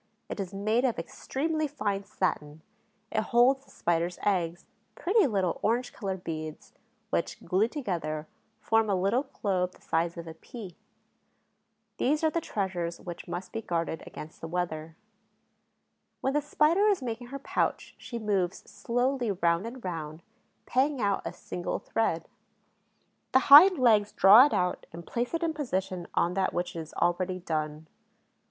It is made of extremely fine satin; it holds the Spider's eggs, pretty little orange colored beads, which, glued together, form a little globe the size of a pea. These are the treasures which must be guarded against the weather. When the Spider is making her pouch she moves slowly round and round, paying out a single thread. The hind legs draw it out and place it in position on that which is already done.